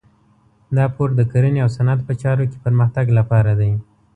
دا پور د کرنې او صنعت په چارو کې پرمختګ لپاره دی.